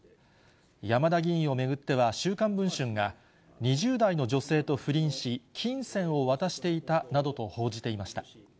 山田議員を巡っては、週刊文春が２０代の女性と不倫し、金銭を渡していたなどと報じていました。